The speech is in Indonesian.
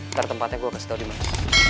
ntar tempatnya gue kasih tau di mana